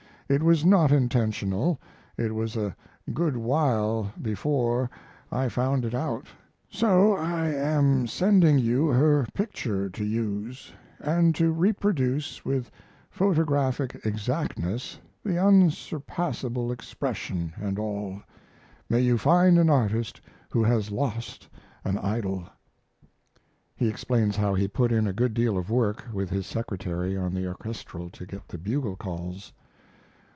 It was not intentional it was a good while before I found it out, so I am sending you her picture to use & to reproduce with photographic exactness the unsurpassable expression & all. May you find an artist who has lost an idol. He explains how he had put in a good deal of work, with his secretary, on the orchestrelle to get the bugle calls.